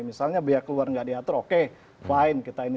misalnya biaya keluar nggak diatur oke fine kita ini